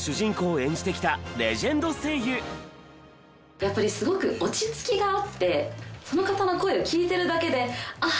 やっぱりスゴく落ち着きがあってその方の声を聞いてるだけでああ